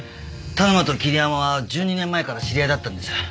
田沼と桐山は１２年前から知り合いだったんです。